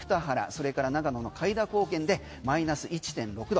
それから長野の開田高原でマイナス１．６度。